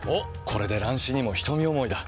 これで乱視にも瞳思いだ。